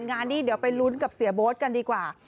งานนี้เดี๋ยวไปลุ้นกับเสียโบ๊ทกันดีกว่า